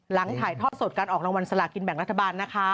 ถ่ายทอดสดการออกรางวัลสลากินแบ่งรัฐบาลนะคะ